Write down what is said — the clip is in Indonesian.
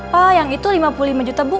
oh yang itu lima puluh lima juta bu